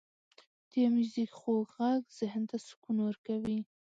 • د میوزیک خوږ ږغ ذهن ته سکون ورکوي.